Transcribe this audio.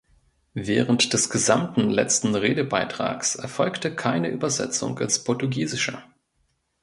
Während des gesamten letzten Redebeitrags erfolgte keine Übersetzung ins Portugiesische.